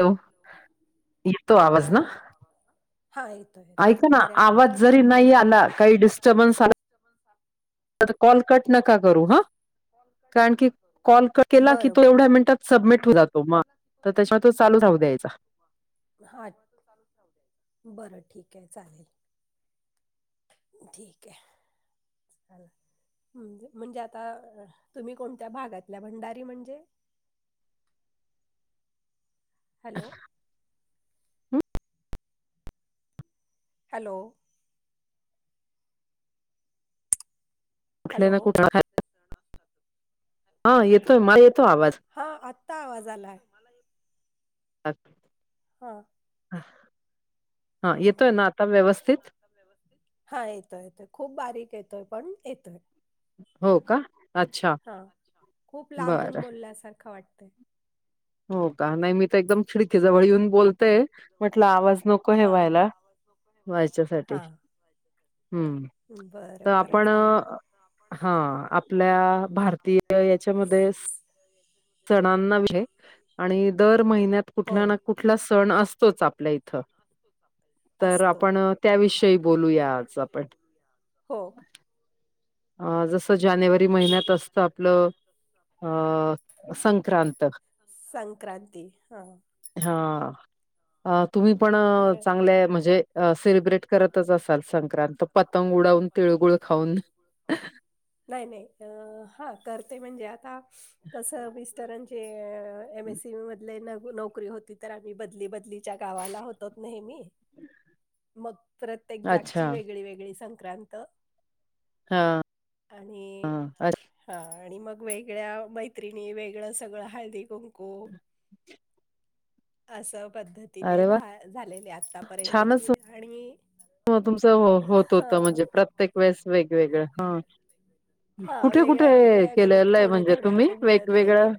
Hello येतो आवाज ना आहेत ऐका ना आवाज जरी नाही आला काही डिस्टर्बन्स आला आता कॉल कट नका करू हा कारण की कॉल केला की बरं तो बरं एवढ्या मिनटात सबमिट होऊन जातो मग तर त्याचा तो चालू राहू द्यायचा हा त्याचा तो चालूच राहू दे बरं ठीक आहे चालेल ठीक आहे चला म्हणजे आता तुम्ही कोणत्या भागातल्या भंडारी म्हणजे हॅलो हं? हॅलो कुठले हॅलो ना कुठले हा येतोय मला येतो आवाज हा आत्ता आवाज आलाय [inaudible] हा हा येतोय ना आता व्यवस्थित व्यवस्थित हा येतोय येतोय खूप बारीक येतोय पण येतोय हो का हो अच्छा का अच्छा हा खूप लांबून बरं बोलल्यासारखं वाटतंय हो का नाही मी तर एकदम खिडकीजवळ येऊन बोल ते म्हटलं आवाज नको हे हां. व्हायला व्हायच्यासाठी हां. हम्म तर बरं, बरं आपण चालेल. हा आपल्या भारतीय याच्यामध्ये सणांना विषय आणि दर महिन्यात हो. कुठला ना कुठला सण असतोच आपल्या इथं इथं. तर असतो. आपण त्याविषयी बोलूया आज आपण हो अ जसं जानेवारी महिन्यात असतं आपलं अ संक्रांत सांग क्रांती हा हा हा अ तुम्ही पण तर चांगले म्हणजे सेलिब्रेट करतच असाल संक्रांत पतंग उडवून. तिळगुळ खाऊन. नाही नाही आ हा करते म्हणजे. आ कस मिस्टरांचे हे एम एस सी मधले न नोकरी होती तर आम्ही बदली बदलीच्या गावाला होतो. नेहमी मग प्रत्येक जागची अच्छा वेगळी वेगळी संक्रांत हा आणि हा हा आणि मग वेगळ्या मैत्रिणी वेगळं सगळं हळदी कुंकू. असं पद्धतीने अरे वा झा झालेले आतापर्यंतची आणि ग तुमचं होत हा होत म्हणजे प्रत्येक वेळेस वेगवेगळ हा हा कुठे वेगळ्या कुठे वेगळ्या ग्रुप केलेलं आहे. थोडे म्हणजे थोडे तुम्ही असे मिळत गेले वेगवेगळं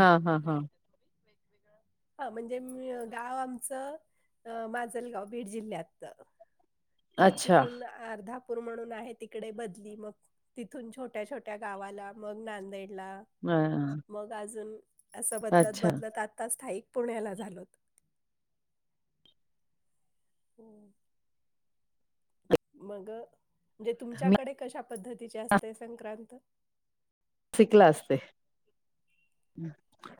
हा हा हा हा म्हणजे गाव आमचं माजलगाव बीड जिल्ह्यात मग अच्छा तिथून अर्धापूर म्हणून आहे तिकडे बदली मग तिथून छोट्या छोट्या गावाला मग नांदेडला हम मग अजून असं बदलत बदलत आता स्थायिक पुण्याला झालोत. हो मग म्हणजे मी तुमच्याकडे कशा पद्धतीचे असते संक्रांत शिकला असते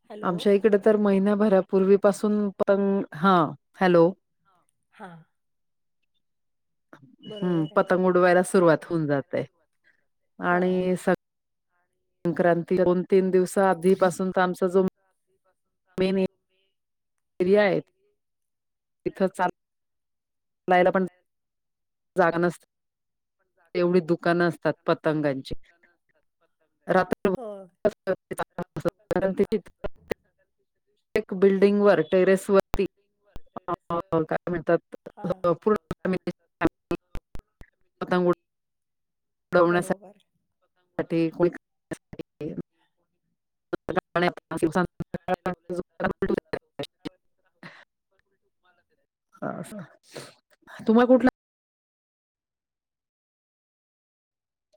हॅलो आमच्या इकडे तर महिनाभरापूर्वीपासून प हा हॅलो हा हम्म बरोबर आहे. पतंग उडवायला सुरुवात होऊन जातंय हां आणि स संक्रांती दोन तीन दिवस आधीपासून तर आमचा जो [unintelligible] फिरि्यायत तिथं चाल लायला पण जागा नसत तेवढी दुकानं असतात पतंगांची रात्र हो [unintelligible] एक बिल्डिंग वर टेरेस वरती काय म्हणतात हां. [unintelligible] उडवण्यासाठी बरोबर [unintelligible] [unintelligible] संध्याकाळी [unintelligible] हा तुम्हा कुठला